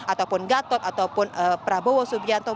ataupun gatot ataupun prabowo subianto